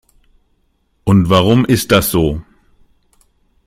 Und warum ist das so?